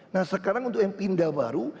nah sekarang untuk yang pindah baru